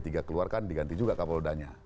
tapi di sini juga di ganti juga kapal udahnya